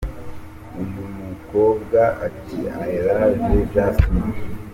Uyu mukobwa ati: I Love u Justin!.